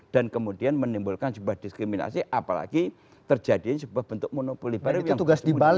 dan kemudian menimbulkan sebuah diskriminasi apalagi terjadi sebuah bentuk monopoli baru yang bergantung pada undang undang